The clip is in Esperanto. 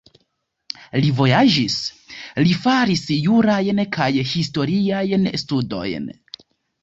Li vojaĝis, li faris jurajn kaj historiajn studojn.